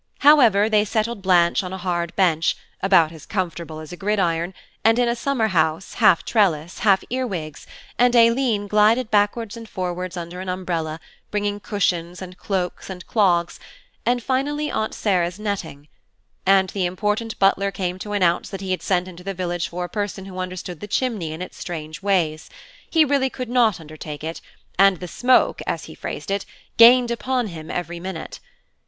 However, they settled Blanche on a hard bench, about as comfortable as a gridiron, and in a summer house, half trellis, half earwigs, and Aileen glided backwards and forwards under an umbrella, bringing cushions, and cloaks, and clogs, and finally Aunt Sarah's netting; and the important butler came to announce that he had sent into the village for a person who understood the chimney and its strange ways; he really could not undertake it, and the smoke, as he phrased it, gained upon him every minute.